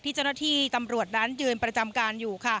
เจ้าหน้าที่ตำรวจนั้นยืนประจำการอยู่